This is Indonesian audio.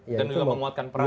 dan juga memuatkan perang